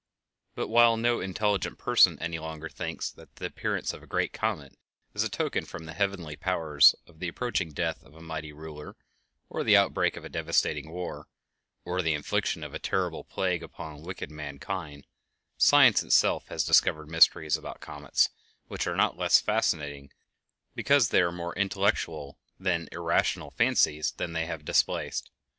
But while no intelligent person any longer thinks that the appearance of a great comet is a token from the heavenly powers of the approaching death of a mighty ruler, or the outbreak of a devastating war, or the infliction of a terrible plague upon wicked mankind, science itself has discovered mysteries about comets which are not less fascinating because they are more intellectual than the irrational fancies that they have displaced.